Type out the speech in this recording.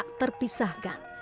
dua hal tak terpisahkan